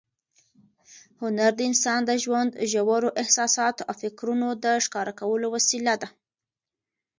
هنر د انسان د ژوند ژورو احساساتو او فکرونو د ښکاره کولو وسیله ده.